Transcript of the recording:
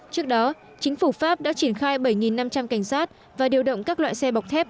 trước đó chính phủ pháp đã triển khai bảy năm trăm linh cảnh sát và điều động các loại xe bọc thép